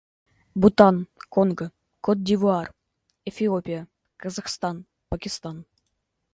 Бутан, Конго, Кот-д'Ивуар, Эфиопия, Казахстан, Пакистан.